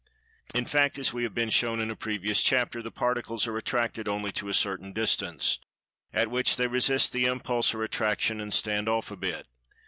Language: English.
In fact, as we have been shown in a previous chapter, the particles are attracted only to a certain distance, at which they resist the impulse or attraction and "stand off" a bit.